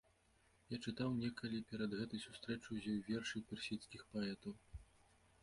Я чытаў некалі перад гэтай сустрэчаю з ёй вершы персідскіх паэтаў.